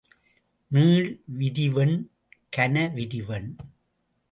நீள் விரிவெண், கனவிரிவெண்.